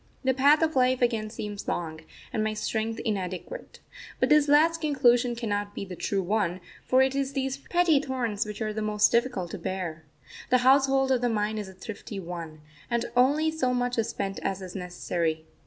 The path of life again seems long, and my strength inadequate. But this last conclusion cannot be the true one, for it is these petty thorns which are the most difficult to bear. The household of the mind is a thrifty one, and only so much is spent as is necessary.